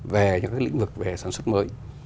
về những cái lĩnh vực về sản xuất mới